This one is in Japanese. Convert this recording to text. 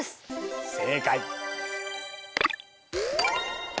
正解。